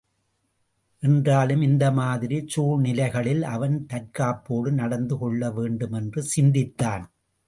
என்றாலும் இந்தமாதிரி சூழ்நிலைகளில் அவன் தற்காப்போடு நடந்து கொள்ள வேண்டும் என்று சிந்தித்தான்.